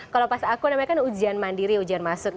kalau pas aku namanya kan ujian mandiri ujian masuk